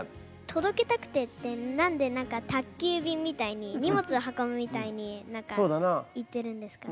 「届けたくて」って何で何か宅急便みたいに荷物を運ぶみたいに言ってるんですか？